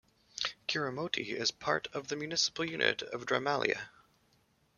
Keramoti is part of the municipal unit of Drymalia.